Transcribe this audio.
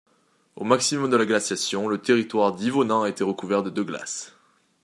Au maximum de la glaciation, le territoire d’Yvonand a été recouvert de de glace.